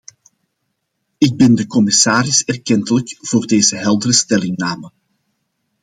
Ik ben de commissaris erkentelijk voor deze heldere stellingname.